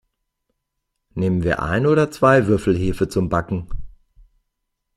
Nehmen wir ein oder zwei Würfel Hefe zum Backen?